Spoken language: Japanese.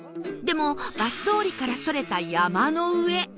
でもバス通りからそれた山の上